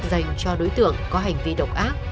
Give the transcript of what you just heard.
dành cho đối tượng có hành vi độc ác